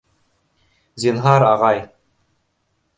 — Зинһар, ағай.